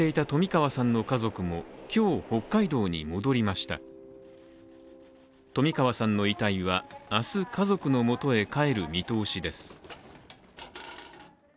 冨川さんの遺体は明日家族の元へ帰る見通しです。